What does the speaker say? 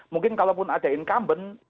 mungkin kalaupun ada incumbent